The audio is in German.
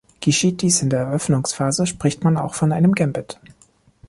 Geschieht dies in der Eröffnungsphase, spricht man auch von einem Gambit.